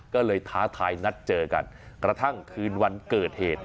ก็เลยท้าทายนัดเจอกันกระทั่งคืนวันเกิดเหตุ